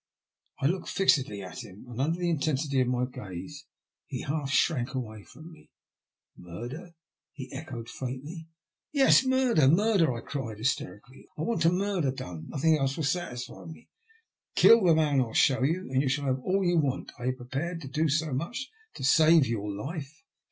I looked fixedly at him, and under the intensity of my gaze he half shrunk away from me. " Murder ?" he echoed faintly. "Murder? Yes, murder," I cried, hysterically. " I want murder done. Nothing else will satisfy me. Kill me the man 1*11 show you, and you shall have all you want. Are you prepared to do so much to save your life?"